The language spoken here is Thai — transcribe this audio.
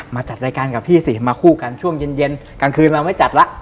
จัดรายการกับพี่สิมาคู่กันช่วงเย็นเย็นกลางคืนเราไม่จัดละ